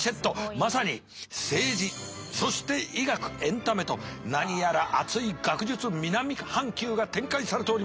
まさに政治そして医学エンタメと何やら熱い学術南半球が展開されております。